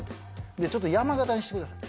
ちょっと山型にしてください。